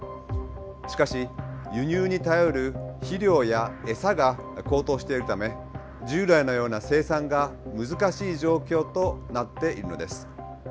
しかし輸入に頼る肥料やエサが高騰しているため従来のような生産が難しい状況となっているのです。